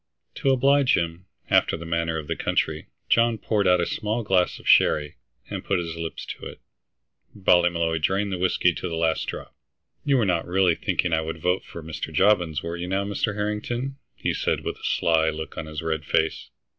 To oblige him, after the manner of the country, John poured out a small glass of sherry, and put his lips to it. Ballymolloy drained the whiskey to the last drop. "You were not really thinking I would vote for Mr. Jobbins, were you now, Mr. Harrington?" he asked, with a sly look on his red face.